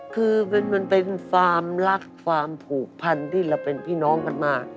คือมันเป็นความรักความผูกพันที่เราเป็นพี่น้องกันมา